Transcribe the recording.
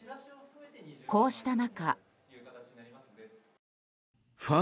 こうした中。